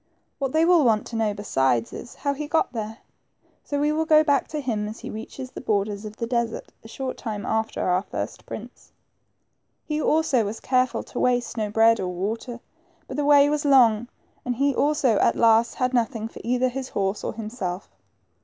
What they will want to know beside is, how he got there ; so we will go back to him as he reaches the borders of the desert, a short time after our first prince. He also was careful to waste no bread or water, but the way was long, and he also at last had noth ing for either his horse or himself.